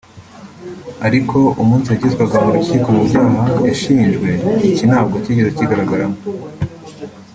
ariko umunsi yagezwaga mu rukiko mu byaha yashinjwe iki ntabwo kigeze kigaragaramo